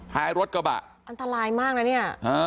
ท้ายรถกระบะอันตรายมากนะเนี่ย